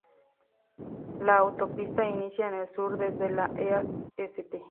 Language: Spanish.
La autopista inicia en el sur desde la en East St.